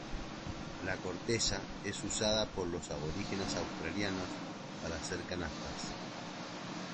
La corteza es usada por los aborígenes australianos para hacer canastas.